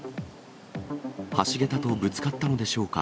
橋桁とぶつかったのでしょうか。